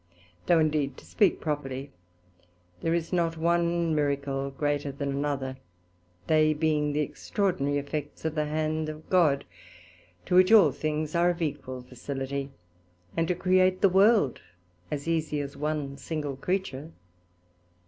Though indeed to speak properly, there is not one Miracle greater than another, they being the extraordinary effects of the Hand of God, to which all things are of an equal facility; and to create the World as easie as one single Creature.